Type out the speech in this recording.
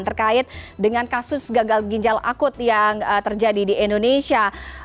terkait dengan kasus gagal ginjal akut yang terjadi di indonesia